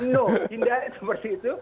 no tidak seperti itu